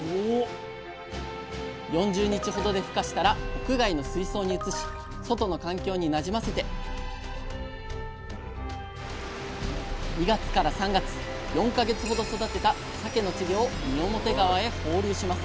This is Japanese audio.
４０日ほどでふ化したら屋外の水槽に移し外の環境になじませて２月から３月４か月ほど育てたさけの稚魚を三面川へ放流します